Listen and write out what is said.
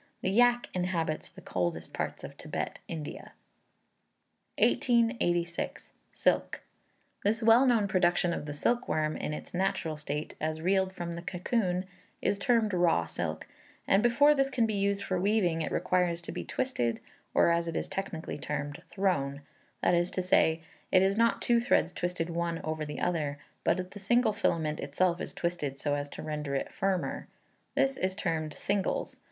The yak inhabits the coldest parts of Tibet, India. 1886. Silk. This well known production of the silk worm in its natural state, as reeled from the cocoon, is termed "raw silk;" and before this can be used for weaving it requires to be twisted, or, as it is technically termed, "thrown;" that is to say, it is not two threads twisted one over the other, but the single filament itself is twisted so as to render it firmer; this is termed "singles."